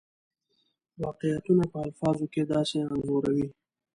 واقعیتونه په الفاظو کې داسې انځوروي.